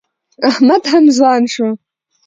احمد هم ځوان شو.